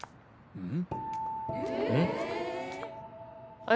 うん！